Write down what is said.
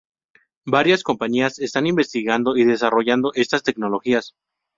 Varias compañías están investigando y desarrollando estas tecnologías.